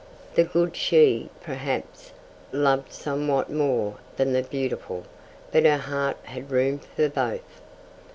The good she, perhaps, loved somewhat more than the beautiful, but her heart had room for both.